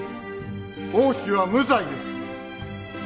王妃は無罪です。